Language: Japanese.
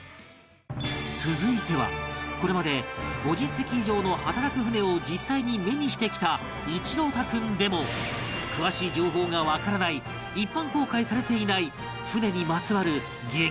続いてはこれまで５０隻以上の働く船を実際に目にしてきた一朗太君でも詳しい情報がわからない一般公開されていない船にまつわる激